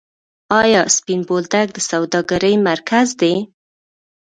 آیا سپین بولدک د سوداګرۍ مرکز دی؟